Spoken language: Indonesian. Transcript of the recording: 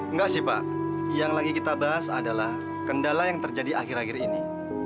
enggak sih pak yang lagi kita bahas adalah kendala yang terjadi akhir akhir ini